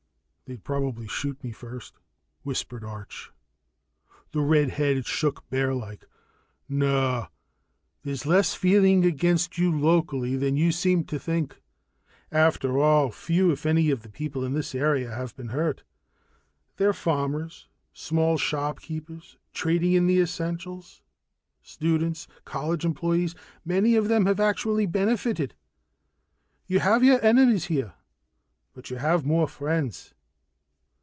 "They'd probably shoot me first," whispered Arch. The red head shook, bear like. "No. There's less feeling against you locally than you seem to think. After all, few if any of the people in this area have been hurt they're farmers, small shopkeepers trading in the essentials, students, college employees. Many of them have actually benefited. You have your enemies here, but you have more friends."